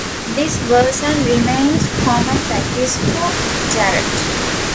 This was and remains common practice for Jarrett.